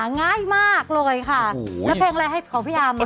ง่ายมากเลยค่ะแล้วเพลงอะไรให้ของพี่อาร์มา